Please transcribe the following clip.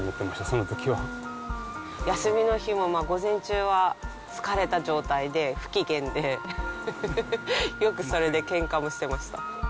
そのとき休みの日も午前中は疲れた状態で不機嫌で、よくそれでけんかもしてました。